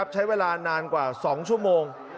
ใช้เวลานานกว่า๒ชั่วโมง